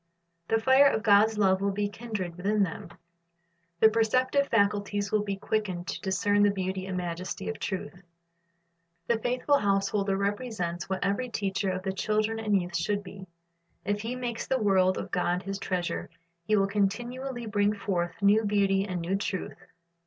The fire of God's love will be kindled within them. Their perceptive faculties will w, be quickened to discern the beauty and majesty of truth. The faithful house holder represents what every teacher of the children and youth should be. If he makes the word of God his treasure, he will continually bring forth new beauty and new truth.